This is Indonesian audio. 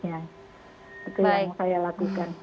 itu yang saya lakukan